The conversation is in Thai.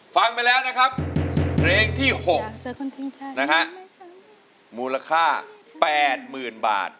ฟังไปแล้วนะครับเพลงที่๖นะฮะมูลค่า๘๐๐๐บาท